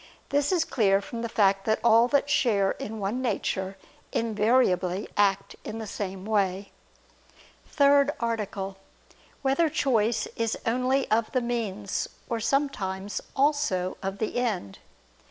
This is clear from the fact that all that share in one nature, invariably act in the same way. ________________________ THIRD ARTICLE [I II, Q. 13, Art. 3] Whether Choice Is Only of the Means, or Sometimes Also of the End?